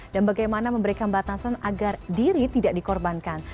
dan bagaimana memberikan batasan agar diri tidak dikorbankan